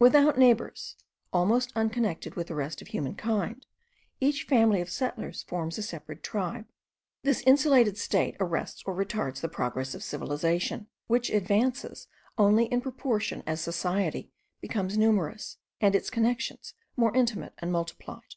Without neighbours, almost unconnected with the rest of mankind, each family of settlers forms a separate tribe. This insulated state arrests or retards the progress of civilization, which advances only in proportion as society becomes numerous, and its connexions more intimate and multiplied.